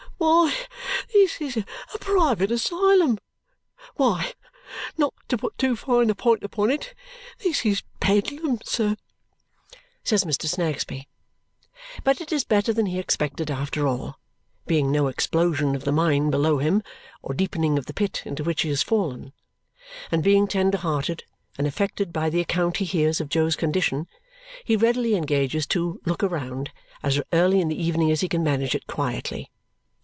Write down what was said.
Why, this is a private asylum! Why, not to put too fine a point upon it, this is Bedlam, sir!" says Mr. Snagsby. But it is better than he expected after all, being no explosion of the mine below him or deepening of the pit into which he has fallen. And being tender hearted and affected by the account he hears of Jo's condition, he readily engages to "look round" as early in the evening as he can manage it quietly.